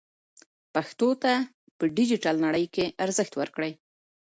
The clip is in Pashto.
پښتو ته په ډیجیټل نړۍ کې ارزښت ورکړئ.